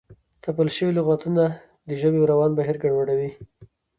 تپل شوي لغتونه د ژبې روان بهیر ګډوډوي.